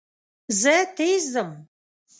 زه تېز ځم.